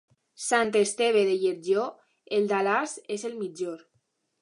Sant Esteve de Lletó, el d'Alàs és el millor.